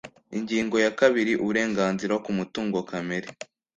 Ingingo ya kabiri, Uburenganzira ku mutungo kamere.